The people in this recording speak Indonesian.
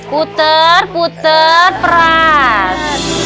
kuter kuter peras